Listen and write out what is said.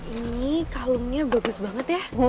ini kalungnya bagus banget ya